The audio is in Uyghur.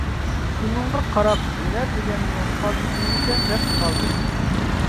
شۇنىڭغا قاراپ ھۈنەر دېگەنمۇ قالتىس نېمىكەن دەپ قالدىم.